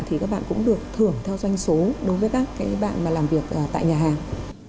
thì các bạn cũng được thưởng theo doanh số đối với các bạn mà làm việc tại nhà hàng